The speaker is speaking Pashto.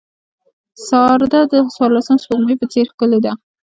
سارده د څوارلسم سپوږمۍ په څېر ښکلې ده.